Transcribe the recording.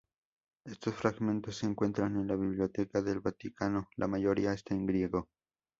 Estos fragmentos se encuentran en la Biblioteca del Vaticano, la mayoría está en griego.